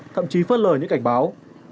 thậm chí phớt lời những cảnh báo